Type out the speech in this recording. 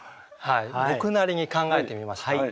僕なりに考えてみました。